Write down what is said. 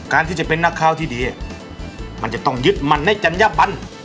ที่จะเป็นนักข่าวที่ดีมันจะต้องยึดมันในจัญญบัน